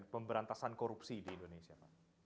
pemberantasan korupsi di indonesia